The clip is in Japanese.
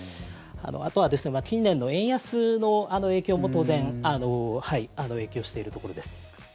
あとは近年の円安の影響も当然影響しているところです。